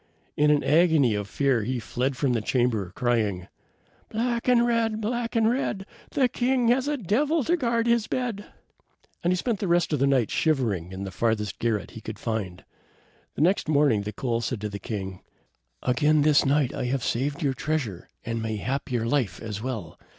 In an agony of fear he fled from the chamber, crying, "Black and red! black and red! The king has a devil to guard his bed." And he spent the rest of the night shivering in the farthest garret he could find. The next morning the coal said to the king: "Again this night have I saved your treasure, and mayhap your life as well.